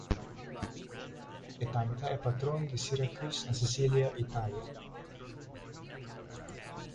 She is also the patroness of Syracuse in Sicily, Italy.